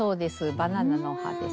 「バナナの葉」です。